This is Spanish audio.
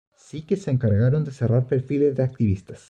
sí que se encargaron de cerrar perfiles de activistas